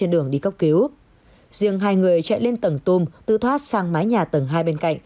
riêng hai người chạy lên tầng tùm tự thoát sang mái nhà tầng hai bên cạnh